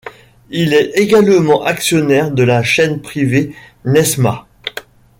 Il est également actionnaire de la chaine privée Nessma.